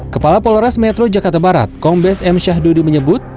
kepala polres metro jakarta barat kombes m syahdudi menyebut